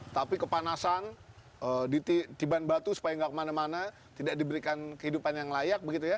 tapi kepanasan ditiban batu supaya tidak kemana mana tidak diberikan kehidupan yang layak